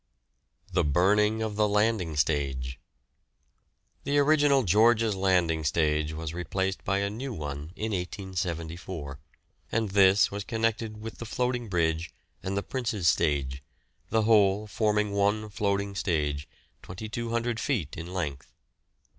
THE BURNING OF THE LANDING STAGE. The original George's Landing Stage was replaced by a new one in 1874, and this was connected with the floating bridge and the Prince's stage, the whole forming one floating stage, 2,200 feet in length.